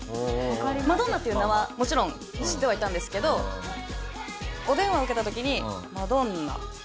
マドンナっていう名はもちろん知ってはいたんですけどお電話を受けた時に「マドンナ？